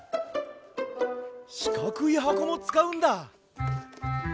しかくいはこもつかうんだ。